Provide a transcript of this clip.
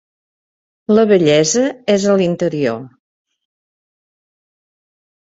La bellesa és a l'interior.